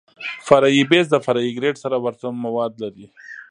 فرعي بیس د فرعي ګریډ سره ورته مواد لري